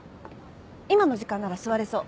今の時間なら座れそう。